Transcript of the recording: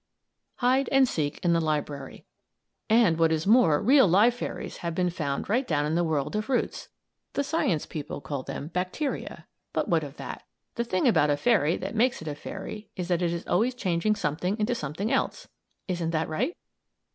HIDE AND SEEK IN THE LIBRARY And, what is more, real live fairies have been found right down in the world of roots! The science people call them "Bacteria," but what of that? The thing about a fairy that makes it a fairy is that it is always changing something into something else. Isn't that right?